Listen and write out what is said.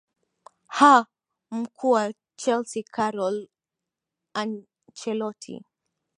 ha mkuu wa chelsea karlo ancheloti